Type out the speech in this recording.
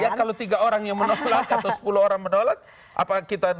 iya kalau tiga orang yang menolak atau sepuluh orang menolak apa kita